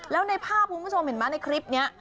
แล้วในภาพทุกผู้ชมเห็นมั้ยในคลิปเนี้ย